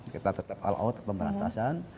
kita tetap all out pemberantasan